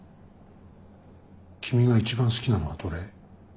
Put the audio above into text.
君が一番好きなのはどれ？